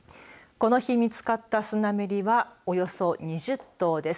この日見つかったスナメリはおよそ２０頭です。